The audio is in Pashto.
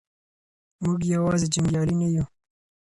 موږ یوازې جنګیالي نه یو.